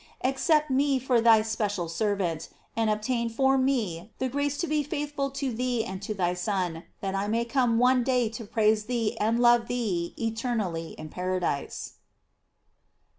Accept me for thy special servant) GLORIES OF MAKY. 761 and obtain for me the grace to be faithful to thee and to thy Son, that I may come one day to praise thee and love thee eternally in paradise.